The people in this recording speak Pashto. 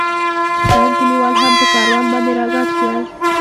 ګڼ کلیوال هم په کاروان باندې را ګډ شول.